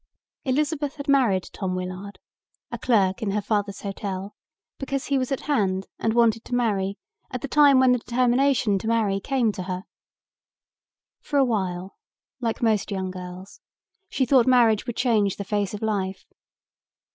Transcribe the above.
Elizabeth had married Tom Willard, a clerk in her father's hotel, because he was at hand and wanted to marry at the time when the determination to marry came to her. For a while, like most young girls, she thought marriage would change the face of life.